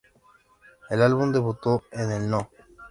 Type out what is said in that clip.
El álbum, debutó en el No.